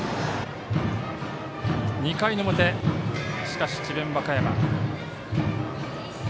２回の表、しかし智弁和歌山。